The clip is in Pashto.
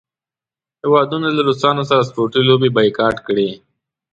هیوادونو له روسانو سره سپورټي لوبې بایکاټ کړې.